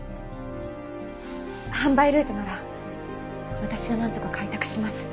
販売ルートなら私がなんとか開拓します。